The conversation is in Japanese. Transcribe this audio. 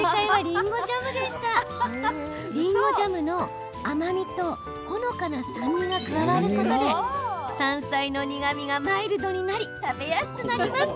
りんごジャムの甘みとほのかな酸味が加わることで山菜の苦みがマイルドになり食べやすくなります。